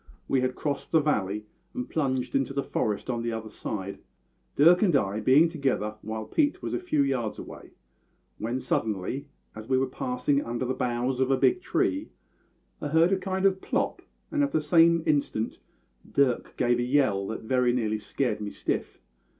We had crossed the valley, and plunged into the forest on the other side, Dirk and I being together while Pete was a few yards away, when suddenly, as we were passing under the boughs of a big tree, I heard a kind of plop, and at the same instant Dirk gave a yell that very nearly scared me stiff.